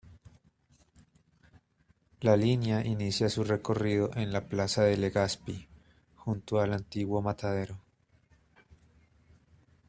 La línea inicia su recorrido en la Plaza de Legazpi, junto al antiguo matadero.